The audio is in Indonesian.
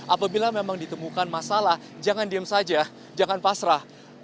apabila memang ditemukan masalah jangan diem saja jangan pasrah